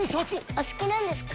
お好きなんですか？